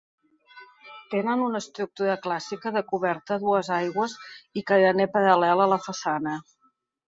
Tenen una estructura clàssica de coberta a dues aigües i carener paral·lel a la façana.